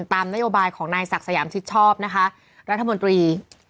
ตามนโยบายของนายศักดิ์สยามชิดชอบนะคะรัฐมนตรี